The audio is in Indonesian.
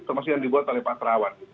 termasuk yang dibuat oleh pak terawan